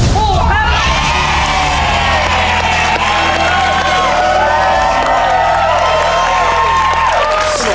ถุกของหนู